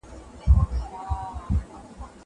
زه کولای سم مېوې وچوم.